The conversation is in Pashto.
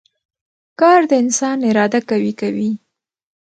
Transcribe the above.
کار د انسان اراده قوي کوي